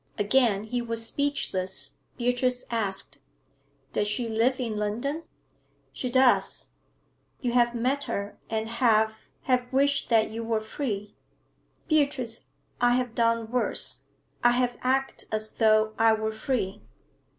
Again he was speechless. Beatrice asked 'Does she live in London?' 'She does.' 'You have met her, and have have wished that you were free?' 'Beatrice, I have done worse. I have acted as though I were free.'